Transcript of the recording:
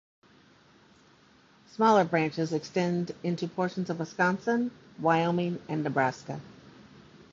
Smaller branches extend into portions of Wisconsin, Wyoming and Nebraska.